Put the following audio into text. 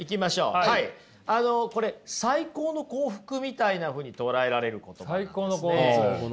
あのこれ「最高の幸福」みたいなふうに捉えられる言葉なんですね。